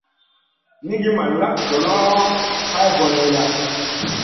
Nigi ma lak donoʼ hay boneyda.